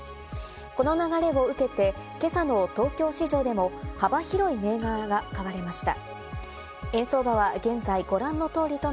この流れを受けて今朝の東京市場でも幅広い銘柄が買われました。